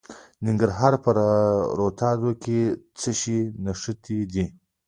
د ننګرهار په روداتو کې د څه شي نښې دي؟